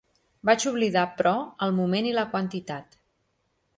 Vaig oblidar, però, el moment i la quantitat.